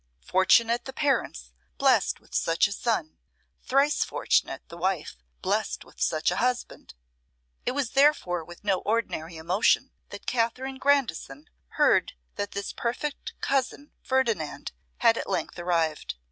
Fortunate the parents blessed with such a son! thrice fortunate the wife blessed with such a husband! It was therefore with no ordinary emotion that Katherine Grandison heard that this perfect cousin Ferdinand had at length arrived.